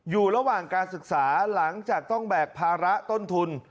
อยู่ระหว่างการศึกษาหลังจากต้องแบกภาระต้นทุน